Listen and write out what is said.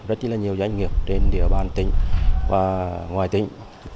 rất là nhiều doanh nghiệp trên địa bàn tỉnh và ngoài tỉnh